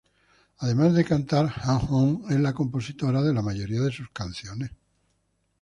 Además de cantar, Han Hong es la compositora de la mayoría de sus canciones.